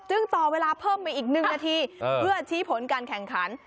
ต่อเวลาเพิ่มไปอีก๑นาทีเพื่อชี้ผลการแข่งขัน